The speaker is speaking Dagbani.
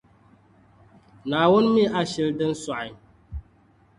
Naawuni mi ashili din sɔɣi